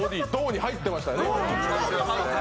胴に入ってましたね。